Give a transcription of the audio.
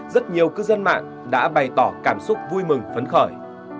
rất nhiều cư dân mạng đã bày tỏ cảm xúc vui mừng phấn khởi